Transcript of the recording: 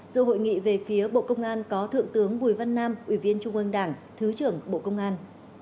dù hội nghị về phía bộ công an có thượng tướng bùi văn nam ủy viên trung ương đảng thứ trưởng bộ công an